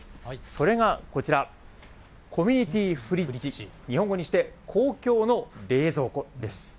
それがこちら、コミュニティフリッジ、日本語にして公共の冷蔵庫です。